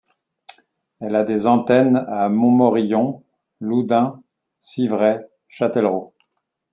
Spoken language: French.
Elle a des antennes à Montmorillon, Loudun, Civray, Châtellerault.